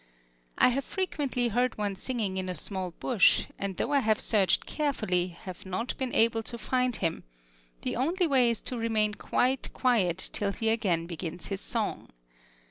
I have frequently heard one singing in a small bush, and though I have searched carefully, have not been able to find him: the only way is to remain quite quiet till he again begins his song.